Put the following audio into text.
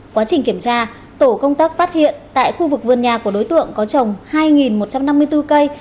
quá trình kiểm tra tổ công tác phát hiện tại khu vực vườn nhà của đối tượng có trồng hai một trăm năm mươi bốn cây